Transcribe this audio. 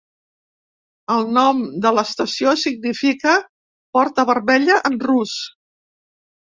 El nom de l'estació significa "Porta Vermella" en rus.